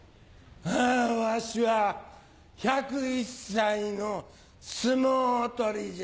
あぁわしは１０１歳の相撲取りじゃ。